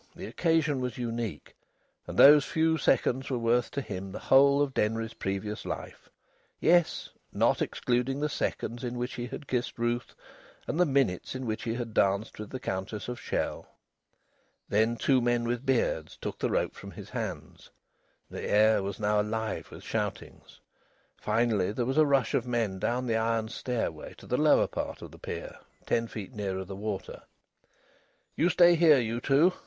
The occasion was unique. And those few seconds were worth to him the whole of Denry's precious life yes, not excluding the seconds in which he had kissed Ruth and the minutes in which he had danced with the Countess of Chell. Then two men with beards took the rope from his hands. The air was now alive with shoutings. Finally there was a rush of men down the iron stairway to the lower part of the pier, ten feet nearer the water. "You stay here, you two!"